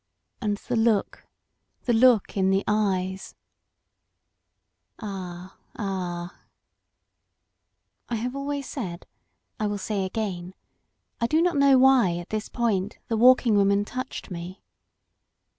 And the look — the look in the eyes — " Ah ah— !" I have always said, I will say again, I do not know why at this point the Walking Woman touched me.